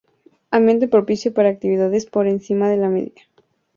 Ambiente propicio para actividades por encima de la media.